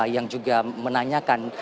yang juga menanyakan